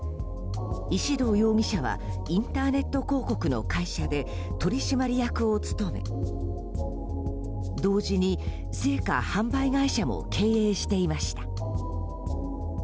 石動容疑者はインターネット広告の会社で取締役を務め同時に生花販売会社も経営していました。